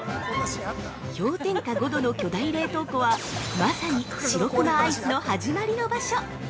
◆氷点下５度の巨大冷凍庫はまさに白熊アイスの始まりの場所。